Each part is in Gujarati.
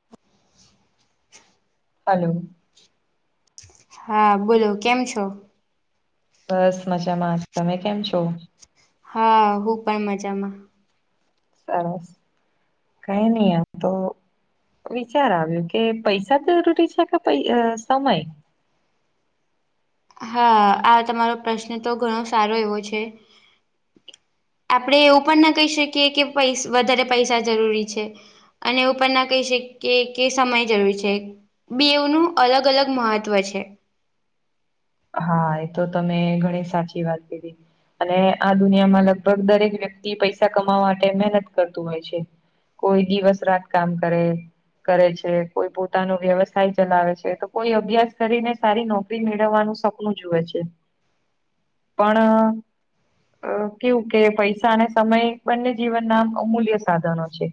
[inaudible] હલો હા બોલો કેમ છો બસ મજામાં તમે કેમ છો હા હું પણ મજામાં સરસ કઈ નહી આ તો વિચાર આવ્યું કે પૈસા જરૂરી છે કે પ સમય હા આ તમારો પ્રશ્ન તો ઘણો સારો એવો છે આપડણે એવું પણ ના કહી શકીએ કે પૈ વધારે પૈસા જરૂરી છે અને એું ઉપર ના કહી શ કે કે સમય જરૂરી છે બેવનુંું અલગ અલગ મહત્વ છે હા એ તો તમે ઘણી સાચી વાત કરી અને આ દુનિયામાં લગભગ દરેક વ્યક્તિ પૈસા કમાવા માટે મહેનત કરતું હોય છે કોઈ દિવસ રાત કામ કરે કરે છે કોઈ પોતાનો વ્યવસાય ચલાવે છે તો કોઈ અભ્યાસ કરીને સારી નોકરી મેળવવાનું સપનું જુએ છે પણ અ કેવું કે પૈસા અને સમય બંને જીવન ના અમૂલ્ય સાધનો છે.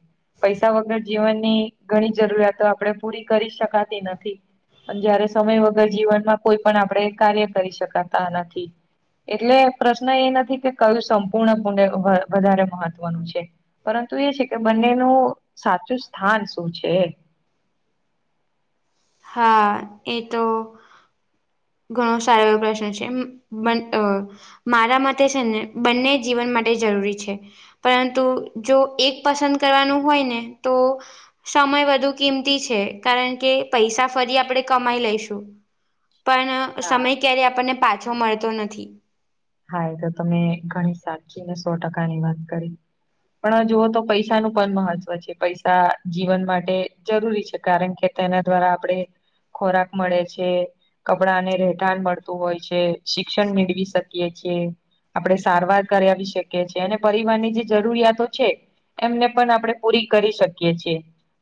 પૈસા વગર જીવનની ઘણી જરૂરિયાતો આપણે પૂરી કરી શકાતી નથી. જયારે સમય વગર જીવનમાં કોઈ પણ આપણે કાર્ય કરી શકાતા નથી. એટલે પ્રશ્ન એ નથી કે કયું સંપૂર્ણ પુણે વધારે મહત્વનું છે. પરંતુ એ છે કે બંનેનું સાચું સ્થાન શું છે. હા એ તો. ઘણો સારો એવો પ્રશ્ન છે. મારા મતે બંને જીવન માટે જરૂરી છે. પરંતુ જો એક પસંદ કરવાનું હોય ને તો. સમય વધુ કિંમતી છે કારણ કે પૈસા ફરી આપણે કમાઈ લઈશું. પણ હા. સમય ક્યારેય આપણને પાછો મળતો નથી. હા એ તો તમે ઘણી સાચી ને સો ટકા ની વાત કરી. પણ જુઓ તો પૈસા નું પણ મહત્વ છે પૈસા જીવન માટે જરૂરી છે કારણ કે. તેના દ્વારા આપડે. ખોરાક મળે છે કપડાને રહેઠાણ મળતું હોય છે શિક્ષણ મેળવી શક. આપણે સારવાર કરાવી શકીએ છ છેએ અને પરિવાર ની જે જરૂરિયાતો છે. એમને પણ આપણે પૂરી કરી શકીએ છીએ.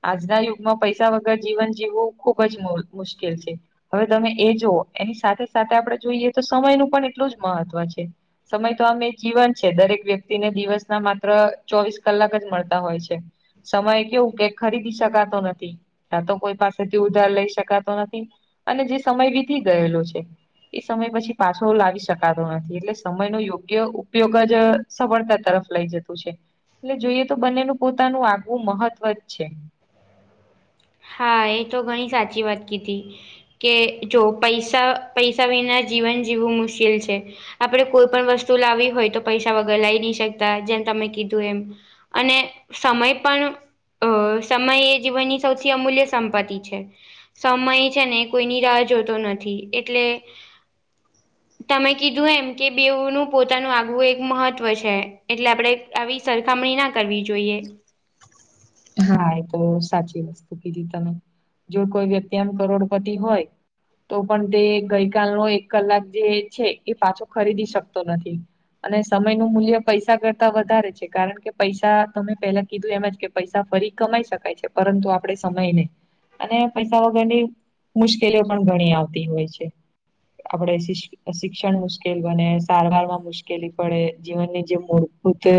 આજના યુગમાં પૈસા વગર જીવન જીવું ખુબજ મુશ્કેલ છે. હવે તમે એ જો એની સાથે સાથે આપણે જોઈએ તો સમયનું પણ એટલુંજ મહત્વ છે. સમય તો આમે જીવન છે દરેક વ્યક્તિને દિવસ ના માત્ર ચોવીસ કલાક જ મળતા હોય છે. સમય કેવું કે ખરીદી શકાતો નથી. ત્યા તો કોઈ પાસેથી ઉધાર લઈ શકાતો નથી અને જે સમય વીતી ગયેલો છે. એ સમય પછી પાછો લાવી શકે. નથી એટલે સમય ન યોગ્ય ઉપયોગ જ સફળતા તરફ લઈ જતું છે. એટલે જોઈએ તો બંનેનું પોતાનું આગવું મહત્વ જ છે. હા એ તો ઘણી સાચી વાત કીધી. કે જો પૈસા પૈસા વિના જીવન જીવું મુશ્કેલ છે. આપણે કોઈ પણ વસ્તુ લાવી હોય તો પૈસા વગર લાવી નહી શકતા જેમ તમે કીધું એમ. અને સમય પણ અ સમય એ જીવનની સૌથી. અમૂલ્ય સંપત્તિ છે. સમય છે ને કોઈની રાહ જોતો નથી એટલે. [inaudible] તમે કીધું એમ કે બેવનું પોતાનું આગવું એક મહત્વ છે એટલે આપણે. આવી સરખામણી ના કરવી જોઈએ. હા એ તો સાચી વસ્તુ કીધી તમે. જો કોઈ વ્યક્તિ આમ કરોડપતિ હોય. તો પણ તે ગઈ કલનો એક કલાક જે છે એ પાછો ખરીદી શકતો નથી. અને સમય નું મૂલ્ય પૈસા કરતા વધારે છે કારણ કે પૈસા તમે પેલા કીધું એમ જ કે. પૈસા ફરી કમાઈ શકાય છે પરંતુ આપડે સમય નહી. અને પૈસા વગરની મુશ્કેલીઓ પણ ઘણી આવતી હોય છે આપડ. શિક્ષણ મુશ્કેલ બને સારવારમાં મુશ્કેલી પડે જીવનની જે મૂળભૂત.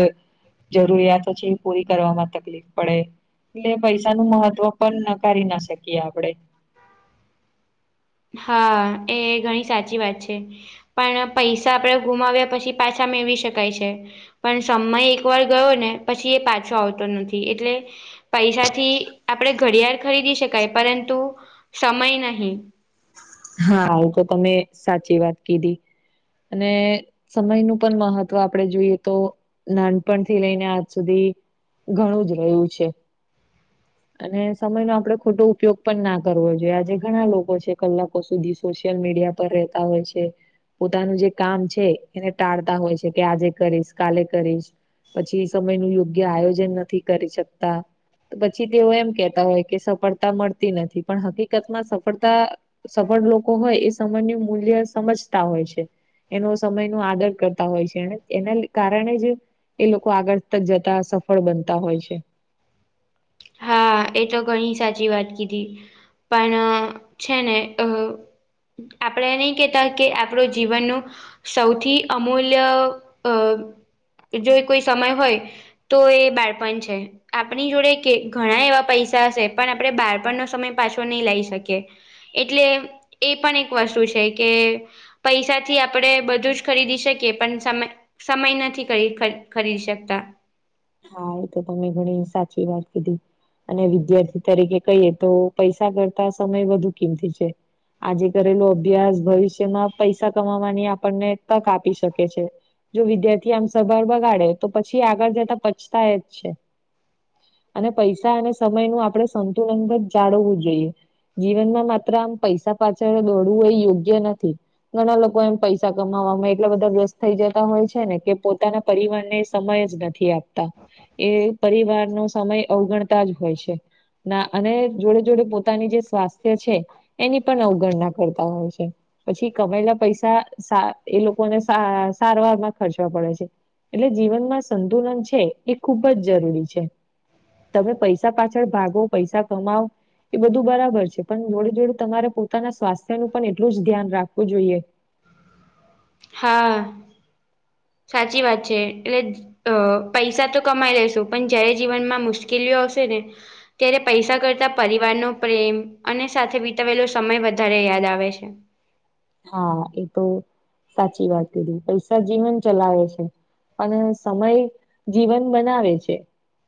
જરૂરિયાતો છે એ પૂરી કરવામાં તકલીફ. પડે એટલે પૈસા નું મહત્વ પણ નકારી ના શકીએ આપડે. હા એ ઘણી સાચી વાત છે. પણ પૈસા આપડે ગુમાવ્યા પછી પાછા મેળવી શકાય છે. પણ સમય એક વાર ગયો ને પછી એ પાછો આવતો નથી એટલે. પૈસાથી આપણેે ઘડિયાળ ખરીદી શકાય પરંતુ સમય નહી હા હું તો તમે સાચી વાત કીધી. અને સમયનુંું પણ મહત્વ આપણેે જોઈએ તો. નાનપણથી લઈને આજ સુધી ઘણું જ રહ્યું છે. અને સમય નો આપડે ખોટો ઉપયોગ પણ ના કરવો જોઈએ આજે ઘણા લોકો છે કલાક લોકો સુધી સોશિયલ મીડિયા પર રહેતા હોય છે પોતાનું જે કામ છે એને ટાળતા હોય છે કે આજે કરીશ કાલે કરીશ પછી એ સમય નું યોગ્ય આયોજન નથી કરી શકતા તો પછી તેઓ એમ કેતા હોય કે સફળતા મળતી નથી પણ હકીકત માં સફળતા સફળ લોકો હોય એ સમયનું મૂલ્ય સમજતા હોય છે એનો સમય ન આદર કરતા હોય છે એના કારણે જ એ લોકો આગળ ત જતા સફળ બનતા હોય છે હા એ તો ઘણી સાચી વાત કીધી પણ છે ને અ આપણે નહી કેતા કે આપણો જીવન ન સૌથી અમૂલ્ય અ જો કોઈ સમય હોય તો એ બાળપણ છે આપણી જોડે કે ઘણા એવા પૈસા હશે પણ આપણે બારપણનો સમય પાછો નહી લઈ શકીએ એટલે એ પણ એક વસ્તુ છે કે પૈસા થી આપણેે બધું જ ખરીદી શકીએ પણ સમય સમય નથી કરી ખરીદી શકતા હા એ તો તમે ઘણી સાચી વાત કીધી અને વિદ્યાર્થી તરીકે કહીએ તો પૈસા કરતા સમય વધુ કિંમતી છે આજે કરેલો અભ્યાસ ભવિષ્યમાં પૈસા કમાવાની આપણને તક આપી શકે છે જો વિદ્યાર્થી આમ સભા બગાડે તો પછી આગળ જતા પચતા એ જ છે અને પૈસા અને સમય નું આપડણે સંતુલન પણ જ જાળવવું જોઈએ જીવનમાં માત્ર આમ પૈસા પાછળ દોડવું એ યોગ્ય નથી ઘણા લોકો એમ પૈસા કમાવામાં એટલા બધા ર્રસ્ત થઈ જતા હોય છે ને કે પોતાના પરિવારને સમય જ નથી આપતો એ પરિવાર નો સમય અવગણતા જ હોય છે ના અને જોડે જોડે પોતાની જે સ્વાસ્થ્ય છે, એની પણ અવગણના કરતા હોય છે. પછી કમાયેલા પૈસા એ લોકોને સારવારમાં ખર્ચવા પડે છે. એટલે જીવનમાં સંતુલન છે, એ ખૂબ જ જરૂરી છે. તમે પૈસા પાછળ ભાગો પૈસા કમાવ. એ બધું બરાબર છે, પણ જોડે જોડું તમારે પોતાના સ્વાસ્થ્ય ન પણ એટલું જ ધ્યાન રાખવું જોઈએ. હા સાચી વાત છે, એટલે. અ પૈસા તો કમાઈ લેશો પણ જયારે જીવનમાં મુશ્કેલીઓ આવશે ને. ત્યારે પૈસા કરતા પરિવારનો પ્રેમ અને સાથે [unintelligible] સમય વધારે યાદ આવે છે. હા એ તો સાચી વાત કીધી પૈસા જીવન ચલાવે છે. અને સમય જીવન બનાવે છે.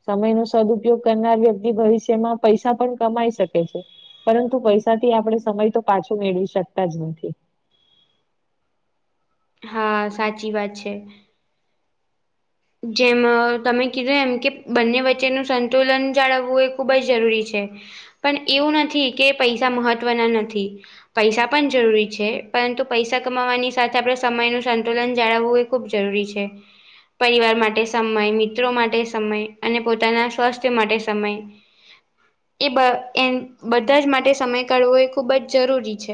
સમય નો સદઉપયોગ કરનાર વ્યક્તિ ભવિષ્યમાં પૈસા પણ કમાઈ શકે છે. પરંતુ પૈસાથી આપણે સમય તો પાછો મેળવી શકતા જ નથી. હા સાચી વાત છે. જેમ તમે કીધું એમ કે બંને વચ્ચેનું સંતુલન જાળવવું એ ખુબ જ જરૂરી છે. પણ એવું નથી કે પૈસા મહત્વના નથી. પૈસા પણ જરૂરી છે, પરંતુ પૈસા કમાવવાની સાથે આપણે સમયનું સંતુલન જાળવવું. ખૂબ જરૂરી છે. પરિવાર માટે સમય મિત્રો માટે સમય અને પોતાના સ્વાસ્થ્ય માટે સમય. એ બ એ બધા જ માટે સમય કાઢવો એ ખૂબ જ જરૂરી છે.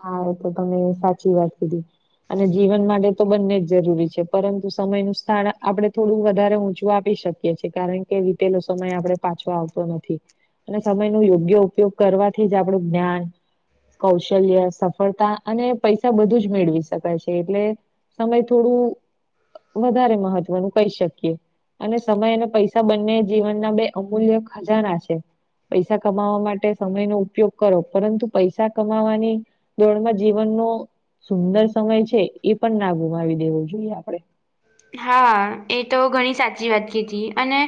હા એ તો તમે સાચી વાત કીધી. અને જીવન માટે તો બંને જ જરૂરી છે, પરંતુ સમય નું સ્થાન આપણે થોડું વધારે ઊંચું આપી શકીએ. કારણ કે રીતેલો સમય આપણે પાછો આવતો નથી. અને સમય ન યોગ્ય ઉપયોગ કરવાથી જ આપણું જ્ઞાન કૌશલ્ય. સફળતા અને પૈસા બધું જ મેળવી શકાય છે, એટલે સમય થોડું. વધારે મહત્વનું કહી શકીએ. અને સમય અને પૈસા બંને જીવનના બે અમૂલ્ય ખજાના છે. પૈસા કમાવા માટે સમયનોો ઉપયોગ કરો પરંતુ પૈસા કમાવાની. દોડમાં [unintelligible] સુંદર સમય છે, એ પણ ના ગુમાવી દેવો જોઈએ આપડણે. હા એ તો ઘણી સાચી વાત [unintelligible] અને.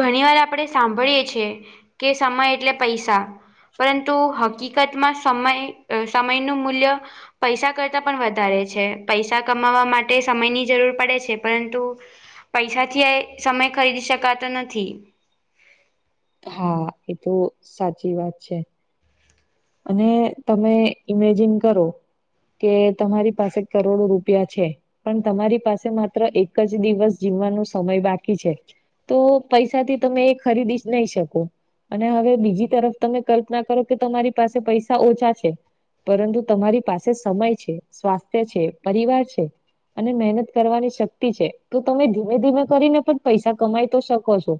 ઘણી વાર આપણે સાંભળીએ છીએ કે સમય એટલે પૈસા. પરંતુ હકીકતમાં સમય સમયનું મૂલ્ય. પૈસા કરતા પણ વધારે છે, પૈસા કમાવા માટે સમયની જરૂર પડે છે. પરંતુ પૈસાથી એ સમય ખરીદી શકાતો નથી. હા એ તો સાચી વાત છે. અને તમે ઈમેજિન કરો. કે તમારી પાસે કરોડો રૂપિયા છે. પણ તમારી પાસે માત્ર એક જ દિવસ જીવવાનો સમય બાકી છે. તો પૈસાથી તમે એ ખરીદી જ નહી શકો. અને હવે બીજી તરફ તમે કલ્પના કરો કે તમારી પાસે પૈસા ઓછા છે. પરંતુ તમારી પાસે સમય છે સ્વાસ્થ્ય છે, પરિવાર છે. અને મહેનત કરવાની શક્તિ છે, તો તમે ધીમે ધીમે કરીને પણ પૈસા કમાય તો શકો છો.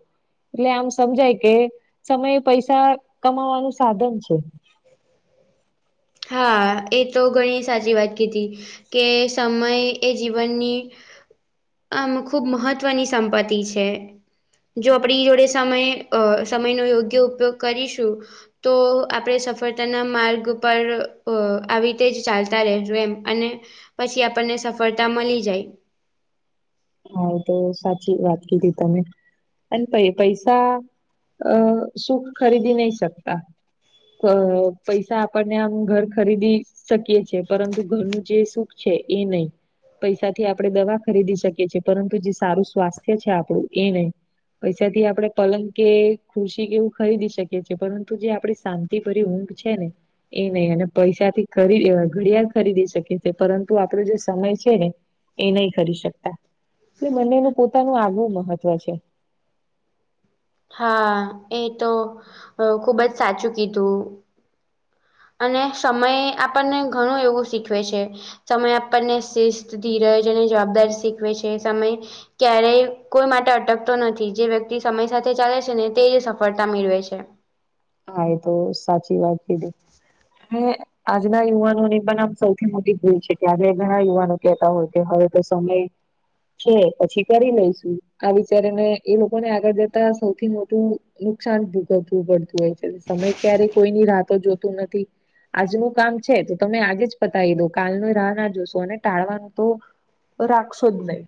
એટલે આમ સમજાય કે સમયે પૈસા કમાવાનું સાધન છે. હા એ તો ઘણી સાચી વાત કીધી. કે સમય એ જીવનની. આમ ખૂબ મહત્વની સંપત્તિ છે. જો આપણી જોડે સમય અ સમય [unintelligible] યોગ્ય ઉપયોગ કરીશું. તો આપડણે [unintelligible] પોતાના માર્ગ પર આવી રીતે જ ચાલતા રહે એમ અને. પછી આપણને સફળતા મળી જાય. હા તો સાચી વાત કીધી તમે. અને પ પૈસા અ સુખ ખરીદી નહી શકતા અ પૈસા આપણને આમ ઘર ખરીદી શકીએ છે પરંતુ ઘરનું જે સુખ છે, એ નહી પૈસાથી આપણે દવા ખરીદી શકીએ છીએ પરંતુ જે સારું સ્વાસ્થ્ય છે, આપણું એ નહી. પૈસાથી આપડે પલંગ કે ખુરશી કે એવુ, ખરીદી શકીએ છેએ પરંતુ જે આપણે શાંતિ ભરી ઊંઘ છેને. એ નહી અને પૈસા થી ખરી ઘડિયાળ ખરીદી શકીી પરંતુ આપણો જે સમય છેને. એ નહી કરી શકતા એટલે મને એનું પોતાનું આગવું મહત્વ છે. હા એ તો ખુબ જ સાચું કીધુ અને સમય આપણને ઘણું એવું શીખવે છે. સમય આપણને શિસ્ત ધીરજ અને જવાબદારી શીખવે છે, સમય ક્યારેય કોઈ માટે અટકતો નથી જે વ્યક્તિ સમય સાથે ચાલે છે ને તે જ સફળતા મેળવે છે. હા એ તો સાચી વાત કીધી હ આજના યુવાનો ની પણ આમ સૌથી મોટી ભૂલ છે, કે આજ ઘણા યુવાનો કેહેતા હોય કે હવે તો સમય છે પછી કરી લઈશું આ વિચારીને એ લોકોને આગળ જતા સૌથી મોટું નુકસાન ભૂગવવું પડતું હોય છે, સમય ક્યારે કોઈની રાહતો જોતું નથી. આજનું કામ છે તો તમે આજે જ પતાવી દો કાલની રાહ ના જોશો અને ટાળવાનું તો રાખશો જ નહી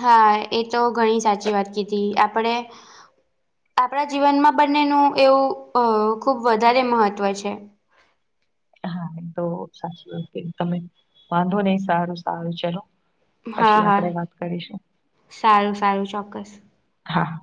હા એ તો ઘણી સાચી વાત કીધી આપણે આપણા જીવનમાં બંનેનું એવું ખુબ વધારે મહત્ત્વ છે. હા તો સાચી વા તમે વાંધો નહી સારુ સારુ ચલો હા પછી હા આપડે વાત કરીશું સારું સારું ચોક્કસ હા